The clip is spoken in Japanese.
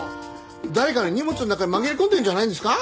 誰かの荷物の中に紛れ込んでるんじゃないですか？